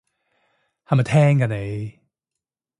係咪聽緊㗎你？